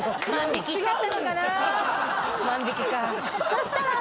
そしたら。